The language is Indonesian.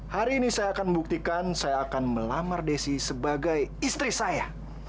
hari ini saya akan membuktikan saya akan melamar desi sebagai istri saya